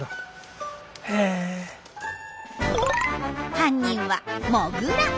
犯人はモグラ。